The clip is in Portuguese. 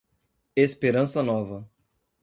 Esperança Nova